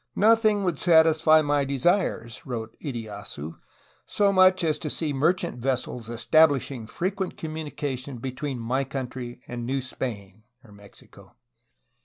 "Nothing would satisfy my desires,^' wrote lyeyasu, "so much as to see merchant vessels establishing frequent communication between my country and New Spain (Mexico)."